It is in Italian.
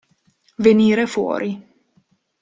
Venire fuori.